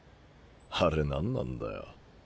あれ何なんだよ？